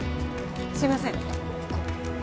すいません